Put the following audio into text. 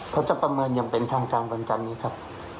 เพราะจะประเมินอย่างเป็นทางกลางบนจันนี้ครับ